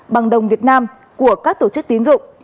bằng đồng việt nam của các tổ chức tín dụng